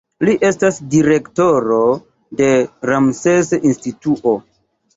Li estas direktoro de Ramses-instituto.